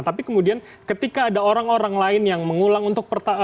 tapi kemudian ketika ada orang orang lain yang mengulang untuk